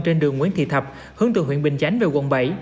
trên đường nguyễn thị thập hướng từ huyện bình chánh về quận bảy